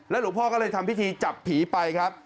หลวงพ่อก็เลยทำพิธีจับผีไปครับ